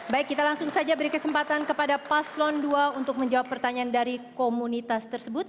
baik kita langsung saja beri kesempatan kepada paslon dua untuk menjawab pertanyaan dari komunitas tersebut